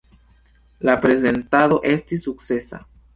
La prezentado estis sukcesa.